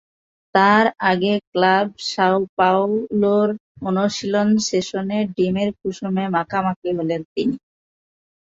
তাঁর আগে ক্লাব সাওপাওলোর অনুশীলন সেশনে ডিমের কুসুমে মাখামাখি হলেন তিনি।